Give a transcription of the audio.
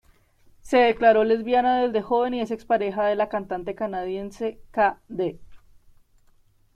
Se declaró lesbiana desde joven y es ex pareja de la cantante canadiense k.d.